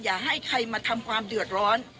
อย่าให้ใครมาทำความเดือดร้อน